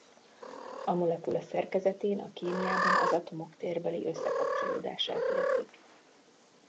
A molekula szerkezetén a kémiában az atomok térbeli összekapcsolódását értik.